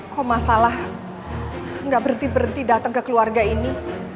kok masalah nggak berhenti berhenti datang ke keluarga ini